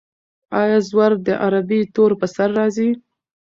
آیا زور د عربي تورو پر سر راځي؟